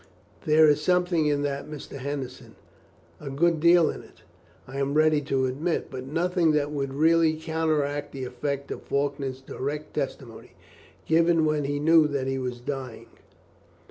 "There is something in that, Mr. Henderson. A good deal in it, I am ready to admit, but nothing that would really counteract the effect of Faulkner's direct testimony, given when he knew that he was dying."